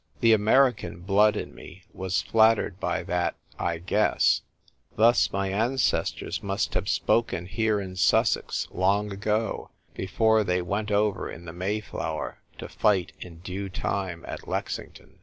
The American blood in me was flattered by that " I guess." Thus my ancestors must have spoken here in Sussex long ago, before they went over in the Mayflower, to fight in due time at Lexington.